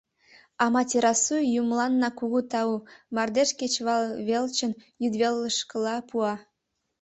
Аматерасу юмыланна кугу тау, мардеж кечывалвелчын йӱдвелышкыла пуа.